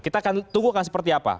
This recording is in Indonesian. kita akan tunggu akan seperti apa